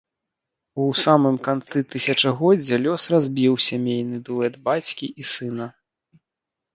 У самым канцы тысячагоддзя лёс разбіў сямейны дуэт бацькі і сына.